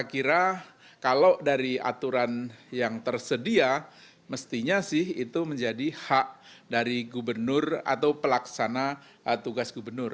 saya kira kalau dari aturan yang tersedia mestinya sih itu menjadi hak dari gubernur atau pelaksana tugas gubernur